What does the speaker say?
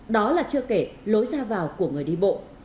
đó là chưa kể lối ra vào của người đi bộ